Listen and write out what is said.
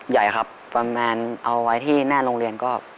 ใหญ่ครับประมาณเอาไว้ที่หน้าโรงเรียนก็